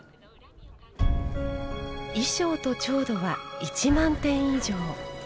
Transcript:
衣装と調度は１万点以上。